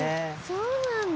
そうなんだ。